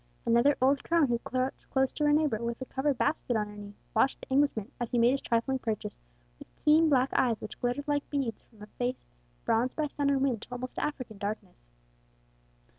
Another old crone who crouched close to her neighbour, with a covered basket on her knee, watched the Englishman, as he made his trifling purchase, with keen black eyes which glittered like beads from a face bronzed by sun and wind to almost African darkness.